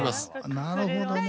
なるほどね。